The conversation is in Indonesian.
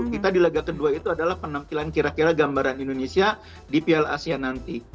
kita di laga kedua itu adalah penampilan kira kira gambaran indonesia di piala asia nanti